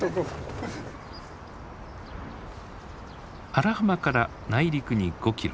荒浜から内陸に５キロ。